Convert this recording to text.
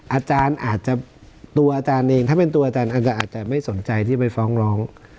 อาจารย์อาจจะตัวอาจารย์เองถ้าเป็นตัวอาจารย์อาจจะไม่สนใจที่ไปฟ้องร้อง